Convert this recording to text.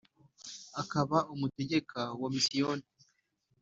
akaba umutegeka wa misiyoni